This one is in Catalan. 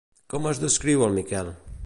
Com es descriu el Miquel?